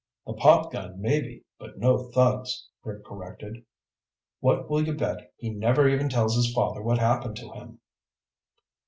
"The popgun maybe, but no thugs," Rick corrected. "What will you bet he never even tells his father what happened to him?"